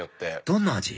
どんな味？